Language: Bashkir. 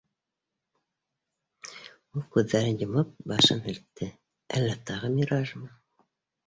Ул, күҙҙәрен йомоп, башын һелкте, «...әллә тағы миражмы?»